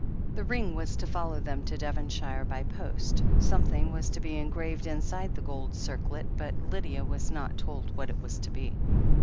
The ring was to follow them to Devonshire by post — something was to be en graved inside the gold circlet, but Lydia was not told what it was to be.